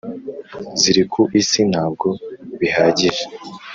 ziri ku isi ntabwo bihagije